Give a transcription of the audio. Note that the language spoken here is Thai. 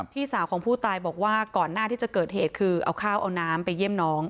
พี่สาวของผู้ตายบอกว่าก่อนหน้าที่จะเกิดเหตุคือเอาข้าวเอาน้ำไปเยี่ยมน้อง